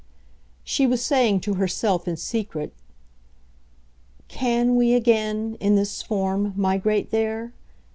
She was saying to herself in secret: "CAN we again, in this form, migrate there?